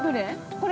◆これ。